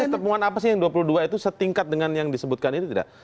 tapi temuan apa sih yang dua puluh dua itu setingkat dengan yang disebutkan itu tidak